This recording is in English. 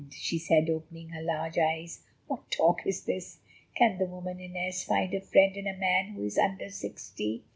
she said, opening her large eyes, "what talk is this? Can the woman Inez find a friend in a man who is under sixty?"